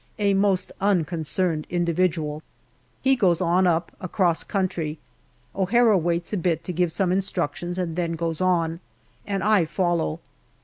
A most unconcerned JUNE 123 individual. He goes on up across country. O'Hara waits a bit to give some instructions and then goes on, and I follow.